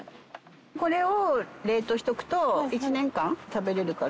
これを冷凍しておくと１年間食べられるから。